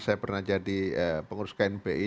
saya pernah jadi pengurus knpi